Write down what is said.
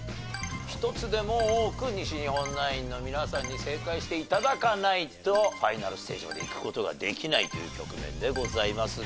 １つでも多く西日本ナインの皆さんに正解して頂かないとファイナルステージまでいく事ができないという局面でございます。